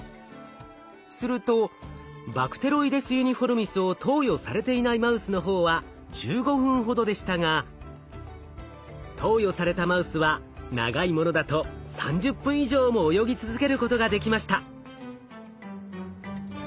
するとバクテロイデス・ユニフォルミスを投与されていないマウスの方は１５分ほどでしたが投与されたマウスは長いものだと３０分以上も泳ぎ続けることができました。